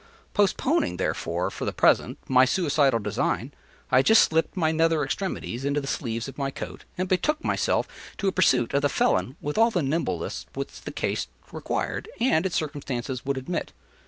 Postponing, therefore, for the present, my suicidal design, I just slipped my nether extremities into the sleeves of my coat, and betook myself to a pursuit of the felon with all the nimbleness which the case required and its circumstances would admit.